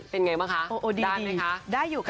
เป็นไงบ้างคะได้มั้ยคะ